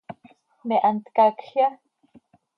¿Me hant caacjya?